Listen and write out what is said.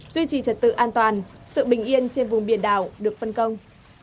duy trì trật tự an toàn sự bình yên trên vùng biển đảo được phân công